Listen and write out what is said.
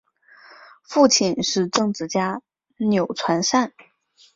父亲是政治家钮传善。